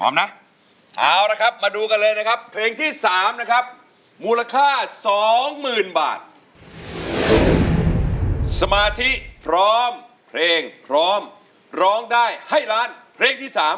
มูลค่า๒๐๐๐๐บาทสมาธิพร้อมเพลงพร้อมร้องได้ให้ล้านเพลงที่๓